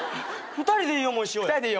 ２人でいい思いしよう。